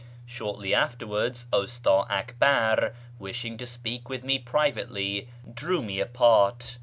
Shortly afterwards, Usta Akbar, wishing to speak with me privately, drew me apart.